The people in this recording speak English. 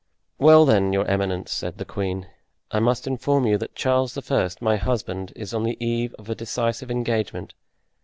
"Well, then, your eminence," said the queen, "I must inform you that Charles I., my husband, is on the eve of a decisive engagement.